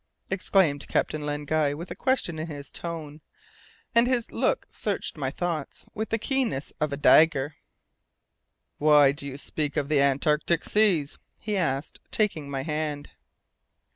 exclaimed Captain Len Guy, with a question in his tone. And his look searched my thoughts with the keenness of a dagger. "Why do you speak of the Antarctic seas?" he asked, taking my hand.